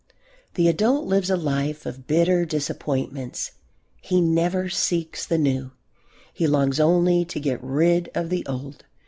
The adult lives a life of bitter disappointments. He never seeks the new. He longs only to get rid of the old.